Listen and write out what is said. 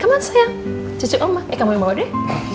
come on sayang cucu oma eh kamu yang bawa deh